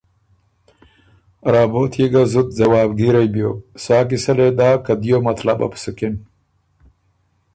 رابوت يې ګۀ زُت ځواب ګیرئ بیوک سا قیصۀ لې داک که دیو مطلبه بو سُکِن،